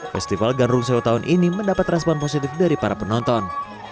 festival gandrung seo tahun ini mendapat respon positif dari para penonton